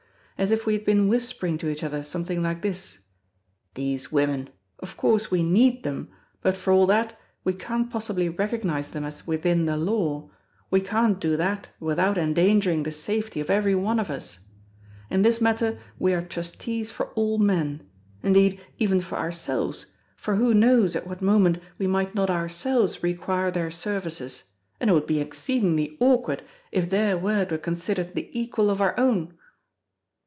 As if we had been whispering to each other something like this: "These women—of course, we need them, but for all that we can't possibly recognise them as within the Law; we can't do that without endangering the safety of every one of us. In this matter we are trustees for all men—indeed, even for ourselves, for who knows at what moment we might not ourselves require their services, and it would be exceedingly awkward if their word were considered the equal of our own!"